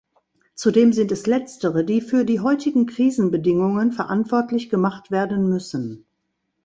Zudem sind es Letztere, die für die heutigen Krisenbedingungen verantwortlich gemacht werden müssen.